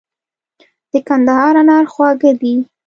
د کندهار انار خواږه دي.